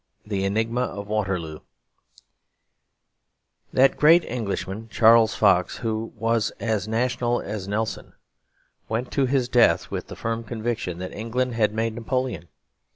III The Enigma of Waterloo That great Englishman Charles Fox, who was as national as Nelson, went to his death with the firm conviction that England had made Napoleon.